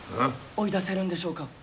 追い出せるんでしょうか？